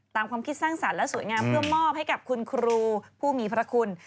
ความคิดสร้างสรรค์และสวยงามเพื่อมอบให้กับคุณครูผู้มีพระคุณ